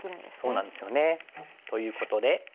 そうなんですよね。ということで。